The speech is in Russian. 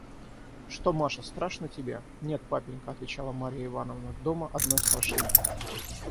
Что, Маша, страшно тебе?» – «Нет, папенька, – отвечала Марья Ивановна, – дома одной страшнее».